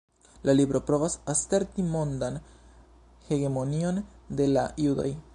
La libro provas aserti mondan hegemonion de la judoj.